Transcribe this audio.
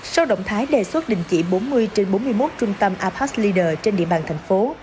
sau động thái đề xuất định chỉ bốn mươi trên bốn mươi một trung tâm apas leaders trên địa bàn thành phố